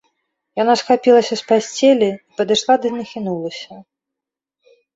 Яна схапілася з пасцелі і падышла ды нахінулася.